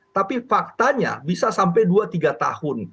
tapi faktanya bisa sampai dua tiga tahun